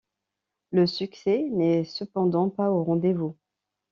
Le succès n'est cependant pas au rendez-vous.